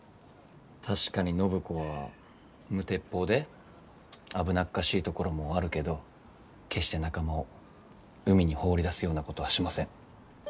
確かに暢子は無鉄砲で危なっかしいところもあるけど決して仲間を海に放り出すようなことはしません。